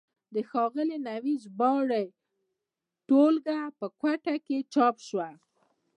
د ښاغلي نوید د ژباړو ټولګه په کوټه کې چاپ شوه.